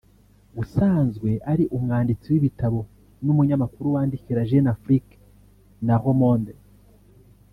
usanzwe ari umwanditsi w’ibitabo n’umunyamakuru wandikira Jeune Afrique na Le Monde